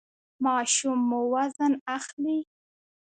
ماشوم مو وزن اخلي؟